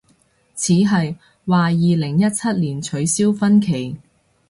似係，話二零一七年取消婚期